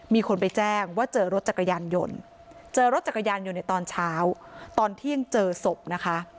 มีคนไปแจ้งว่าเจอรถจักรยานยนต์เจอรถจักรยานยนต์ในตอนเช้าตอนเที่ยงเจอศพนะคะ